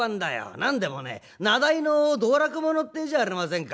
何でもね名代の道楽者っていうじゃありませんか」。